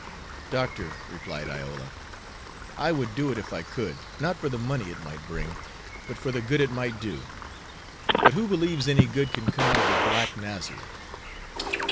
"Doctor," replied Iola, "I would do it if I could, not for the money it might bring, but for the good it might do. But who believes any good can come out of the black Nazareth?"